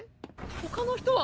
他の人は？